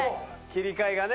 切り替えがね。